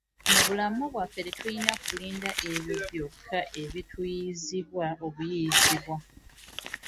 Mu bulamu bwaffe tetulina kulinda ebyo byokka ebituyiiyizibwa obuyiiyizibwa.